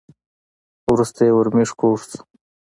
وروسته یې ورمېږ کوږ شو .